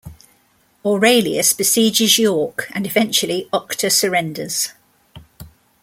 Aurelius besieges York, and eventually Octa surrenders.